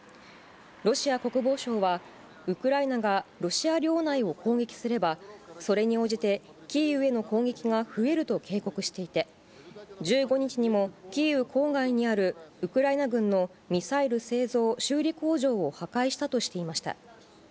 ロシア国防省は、ウクライナがロシア領内を攻撃すれば、それに応じてキーウへの攻撃が増えると警告していて、１５日にもキーウ郊外にある、ウクライナ軍のミサイル製造・修理工場を破壊したとしていました。